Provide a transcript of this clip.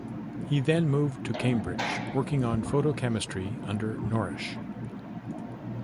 He then moved to Cambridge working on photochemistry under Norrish.